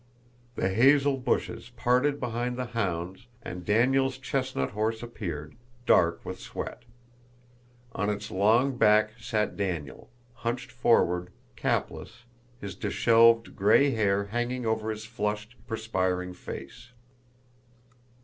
The hazel bushes parted behind the hounds and Daniel's chestnut horse appeared, dark with sweat. On its long back sat Daniel, hunched forward, capless, his disheveled gray hair hanging over his flushed, perspiring face.